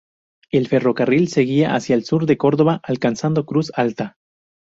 El ferrocarril seguía hacia el sur de Córdoba, alcanzando Cruz Alta.